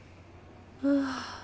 ああ。